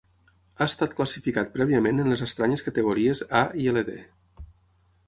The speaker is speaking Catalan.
Ha estat classificat prèviament en les estranyes categories A i Ld.